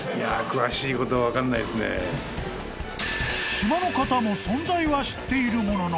［島の方も存在は知っているものの］